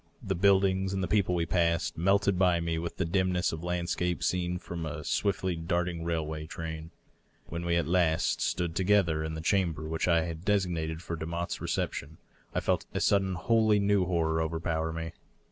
The buildings and the people we passed melted by me with the dimness of landscape seen from a swiftly darting railway train. .. When we at last stood together in the chamber which I had designed for Demotte's recep tion, I felt a sudden wholly new horror overpower me.